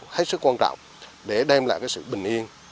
hết sức quan trọng để đem lại sự bình yên